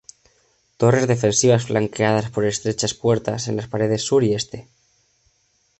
Torres defensivas flanqueadas por estrechas puertas en las paredes sur y este.